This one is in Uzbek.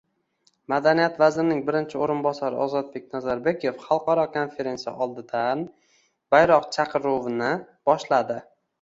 Madaniyat vazirining birinchi o'rinbosari Ozodbek Nazarbekov xalqaro konferentsiya oldidan "bayroq chaqiruvini" boshladi